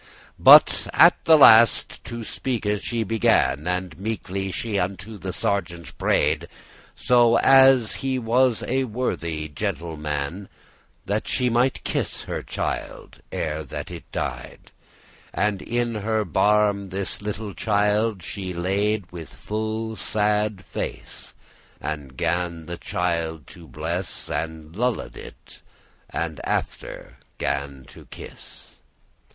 But at the last to speake she began, And meekly she unto the sergeant pray'd, So as he was a worthy gentle man, That she might kiss her child, ere that it died: And in her barme* this little child she laid, *lap, bosom With full sad face, and gan the child to bless,* *cross And lulled it, and after gan it kiss.